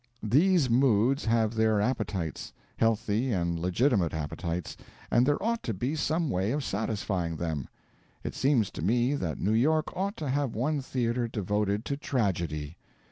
These moods have their appetites healthy and legitimate appetites and there ought to be some way of satisfying them. It seems to me that New York ought to have one theatre devoted to tragedy.